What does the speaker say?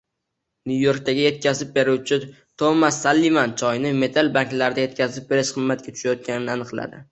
Nyu-Yorkdagi yetkazib beruvchi Tomas Sallivan choyni metal bankalarda yetkazib berish qimmatga tushayotganini aniqladi.